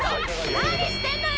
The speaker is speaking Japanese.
何やってんのよ！